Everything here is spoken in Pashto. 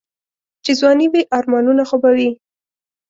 چې ځواني وي آرمانونه خو به وي.